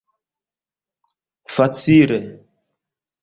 facile